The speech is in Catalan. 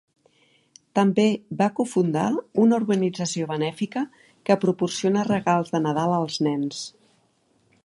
També va cofundar una organització benèfica que proporciona regals de Nadal als nens.